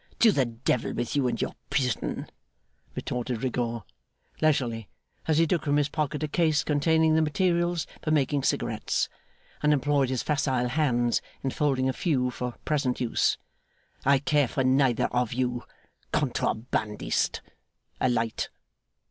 'To the Devil with you and your prison,' retorted Rigaud, leisurely, as he took from his pocket a case containing the materials for making cigarettes, and employed his facile hands in folding a few for present use; 'I care for neither of you. Contrabandist! A light.